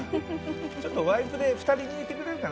ちょっとワイプで２人抜いてくれるかな？